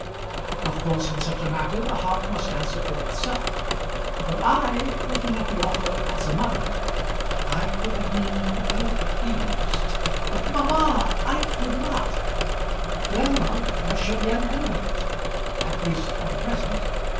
Of course in such a matter the heart must answer for itself. But I, looking at the offer as a mother I could have been well pleased " "But, mamma, I could not " "Well, love, there shall be an end of it; at least for the present.